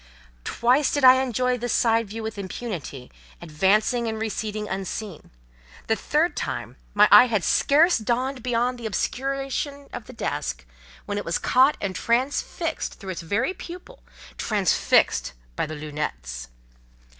Twice did I enjoy this side view with impunity, advancing and receding unseen; the third time my eye had scarce dawned beyond the obscuration of the desk, when it was caught and transfixed through its very pupil—transfixed by the "lunettes."